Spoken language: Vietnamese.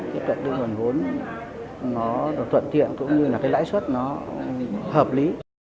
tiếp cận được nguồn vốn nó được thuận tiện cũng như là cái lãi suất nó hợp lý